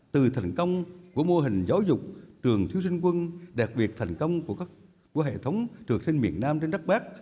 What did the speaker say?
từ thành công của mô hình giáo dục trường thiếu sinh quân đặc biệt thành công của hệ thống trường sinh miền nam đến đất bắc